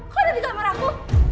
kok ada di kamar aku